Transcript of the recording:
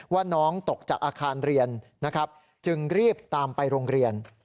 ว่าน้องตกจากอาคารเรียนนะครับจึงรีบตามไปโรงเรียน